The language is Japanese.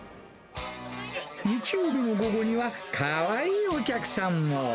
日曜日の午後には、かわいいお客さんも。